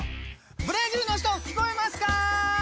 ブラジルの人聞こえますか？